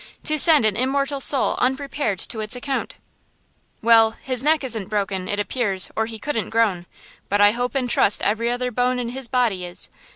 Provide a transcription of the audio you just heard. to send an immortal soul unprepared to its account!" "Well! his neck isn't broken, it appears, or he couldn't groan; but I hope and trust every other bone in his body is!